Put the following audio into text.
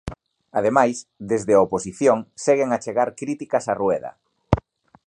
Ademais, desde a oposición seguen a chegar críticas a Rueda.